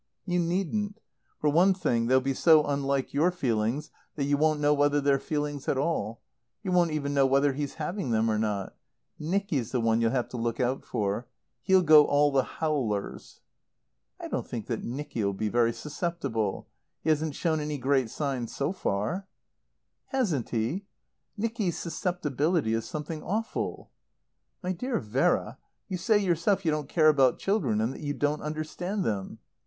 "You needn't. For one thing, they'll be so unlike your feelings that you won't know whether they're feelings at all. You won't even know whether he's having them or not. Nicky's the one you'll have to look out for. He'll go all the howlers." "I don't think that Nicky'll be very susceptible. He hasn't shown any great signs so far." "Hasn't he! Nicky's susceptibility is something awful." "My dear Vera, you say yourself you don't care about children and that you don't understand them."